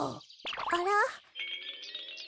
あら？